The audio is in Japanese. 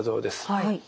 はい。